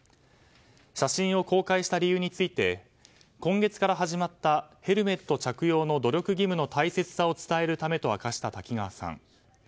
写真を公開した理由について今月から始まったヘルメット着用の努力義務の大切さを伝えるためと明かした滝川さん。